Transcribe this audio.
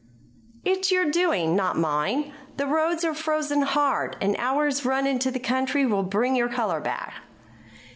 "It's your doing, not mine. The roads are frozen hard; an hour's run into the country will bring your color back."